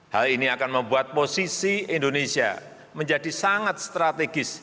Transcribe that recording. hal ini akan membuat posisi indonesia menjadi sangat strategis